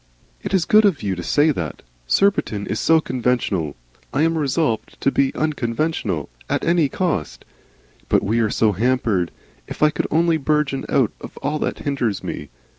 "It is good of you to say that. Surbiton is so Conventional. I am resolved to be Unconventional at any cost. But we are so hampered. If I could only burgeon out of all that hinders me!